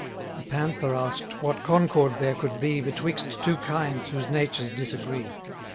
900 The Panther ask'd what concord there could be Betwixt two kinds whose natures disagree?